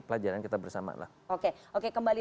pelajaran kita bersama lah oke oke kembali